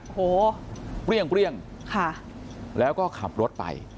โหเปรี้ยงแล้วก็ขับรถไป